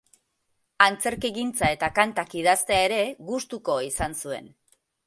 Antzerkigintza eta kantak idaztea ere gustuko izan zuen.